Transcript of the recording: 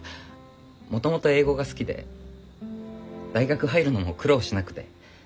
もともと英語が好きで大学入るのも苦労しなくて。